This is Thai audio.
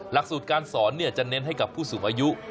หลักสูตรการสอนจะเน้นให้กับผู้สูงอายุ